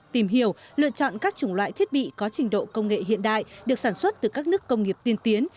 tìm hiểu lựa chọn các chủng loại thiết bị có trình độ công nghệ hiện đại được sản xuất từ các nước công nghiệp tiên tiến